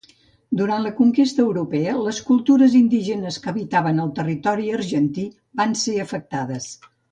Durant la conquesta europea, les cultures indígenes que habitaven el territori argentí van ser afectades.